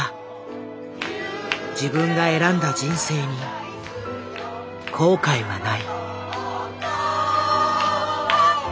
自分が選んだ人生に後悔はない。